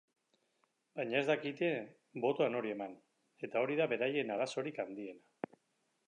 Baina ez dakite botoa nori eman, eta hori da beraien arazorik handiena.